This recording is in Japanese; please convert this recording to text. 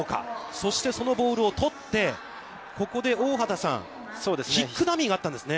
そして、そのボールをとって、ここで大畑さん、キックダミーがあったんですね。